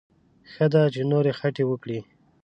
ښه ده چې نورې خټې وکړي.